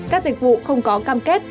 các dịch vụ không có cam kết